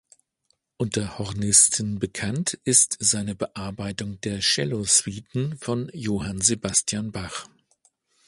Unter Hornisten bekannt ist seine Bearbeitung der Cello-Suiten von Johann Sebastian Bach.